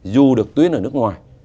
dù được tuyến ở nước ngoài